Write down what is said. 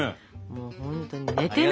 もうほんとに寝てない！